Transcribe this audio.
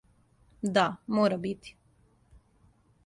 Да, мора бити.